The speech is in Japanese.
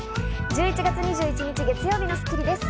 １１月２１日、月曜日の『スッキリ』です。